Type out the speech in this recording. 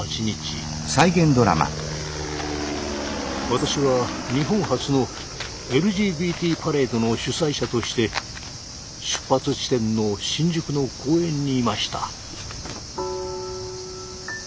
私は日本初のＬＧＢＴパレードの主催者として出発地点の新宿の公園にいました。